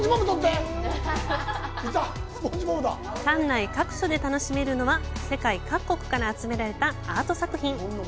館内各所で楽しめるのは、世界各国から集められたアート作品。